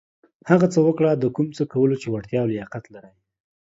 هغه څه وکړه د کوم څه کولو چې وړتېا او لياقت لرٸ.